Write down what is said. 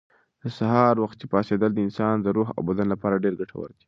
د سهار وختي پاڅېدل د انسان د روح او بدن لپاره ډېر ګټور دي.